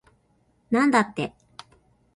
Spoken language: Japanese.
なんだって